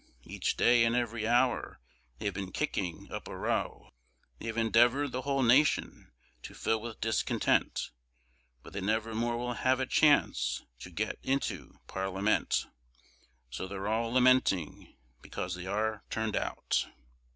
Each day and every hour they've been kicking up a row. They've endeavoured the whole nation to fill with discontent, But they never more will have a chance to get into Parliament So they're all lamenting because they are turned out.